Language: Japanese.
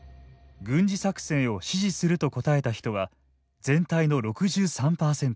「軍事作戦を支持する」と答えた人は全体の６３％。